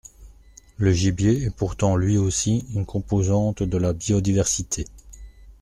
Le gibier est pourtant lui aussi une composante de la biodiversité.